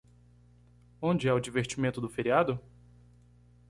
Onde é o divertimento do feriado?